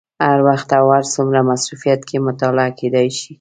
هر وخت او هر څومره مصروفیت کې مطالعه کېدای شي.